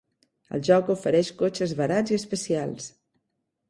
El joc ofereix cotxes barats i especials.